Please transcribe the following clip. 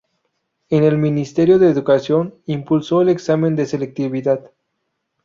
En el Ministerio de Educación impulsó el examen de selectividad.